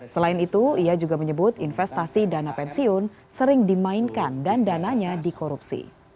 selain itu ia juga menyebut investasi dana pensiun sering dimainkan dan dananya dikorupsi